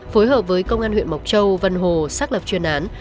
phối hợp với công an huyện mộc châu vân hồ xác lập chuyên án